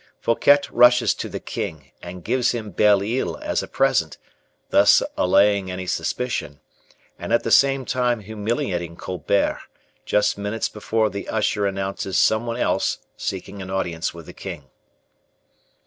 Fouquet rushes to the king, and gives him Belle Isle as a present, thus allaying any suspicion, and at the same time humiliating Colbert, just minutes before the usher announces someone else seeking an audience with the king.